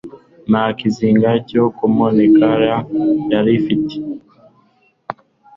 nta kizinga cyo kwononekara yarifite